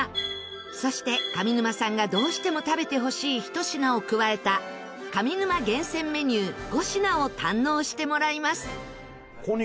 そして上沼さんがどうしても食べてほしい１品を加えた上沼厳選メニュー５品を堪能してもらいます。